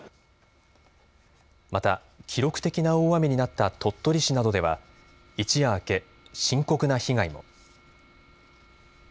また記録的な大雨になった鳥取市などでは一夜明け、深刻な被害も。